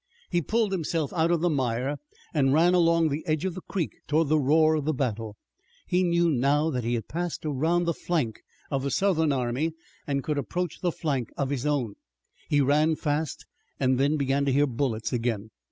He pulled himself out of the mire and ran along the edge of the creek toward the roar of the battle. He knew now that he had passed around the flank of the Southern army and could approach the flank of his own. He ran fast, and then began to hear bullets again.